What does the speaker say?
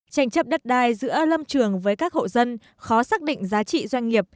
tranh chấp đất đai giữa lâm trường với các hộ dân khó xác định giá trị doanh nghiệp